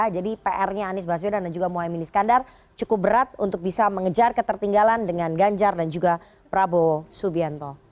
jadi prnya anies baswedan dan juga muhaimin iskandar cukup berat untuk bisa mengejar ketertinggalan dengan ganjar dan juga prabowo subianto